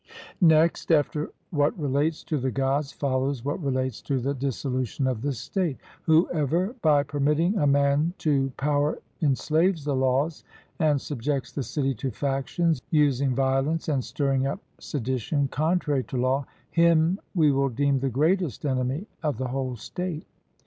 Next, after what relates to the Gods, follows what relates to the dissolution of the state: Whoever by permitting a man to power enslaves the laws, and subjects the city to factions, using violence and stirring up sedition contrary to law, him we will deem the greatest enemy of the whole state.